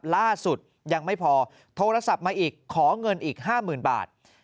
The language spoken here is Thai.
ล่าสุดยังไม่พอโทรศัพท์มาอีกขอเงินอีก๕๐๐๐บาท